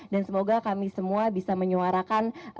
dan semoga kami semua bisa menyuarakan